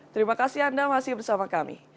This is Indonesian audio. terima kasih anda masih bersama kami